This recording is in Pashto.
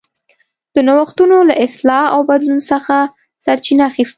د نوښتونو له اصلاح او بدلون څخه سرچینه اخیسته.